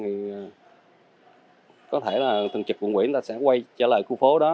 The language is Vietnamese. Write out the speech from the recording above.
thì có thể là tầng trực quận quỹ người ta sẽ quay trở lại khu phố đó